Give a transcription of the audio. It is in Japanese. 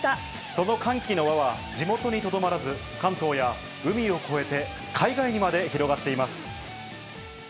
その歓喜の輪は地元にとどまらず、関東や海を越えて、海外にまで広がっています。